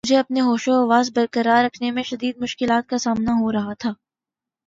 مجھے اپنے ہوش و حواس بر قرار رکھنے میں شدید مشکلات کا سامنا ہو رہا تھا